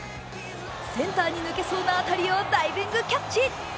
センターに抜けそうな当たりをダイビングキャッチ。